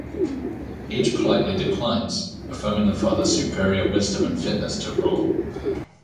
Each politely declines, affirming the father's superior wisdom and fitness to rule.